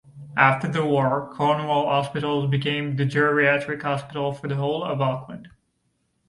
After the war Cornwall Hospital became the geriatric hospital for the whole of Auckland.